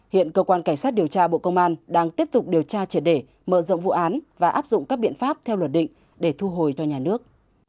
hiện cơ quan cảnh sát điều tra bộ công an đang tiếp tục điều tra triệt để mở rộng vụ án và áp dụng các biện pháp theo luật định để thu hồi cho nhà nước